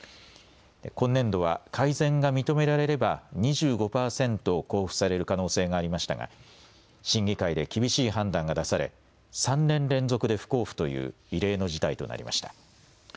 今年度は改善が認められれば２５％交付される可能性がありましたが審議会で厳しい判断が出され３年連続で不交付という異例の事態となりました。